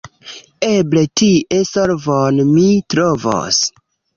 Eble tie solvon mi trovos